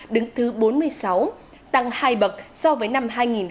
đứng thứ bốn mươi sáu tăng hai bậc so với năm hai nghìn hai mươi hai